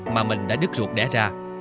mà mình đã đứt ruột đẻ ra